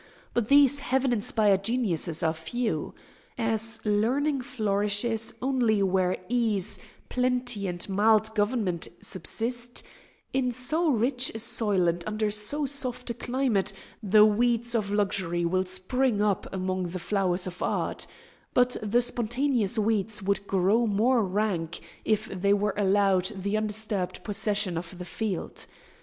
But these heaven inspired geniuses are few. As learning flourishes only where ease, plenty, and mild government subsist, in so rich a soil, and under so soft a climate, the weeds of luxury will spring up among the flowers of art; but the spontaneous weeds would grow more rank, if they were allowed the undisturbed possession of the field.